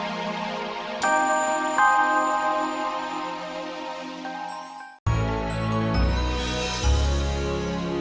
aku juga senang sekali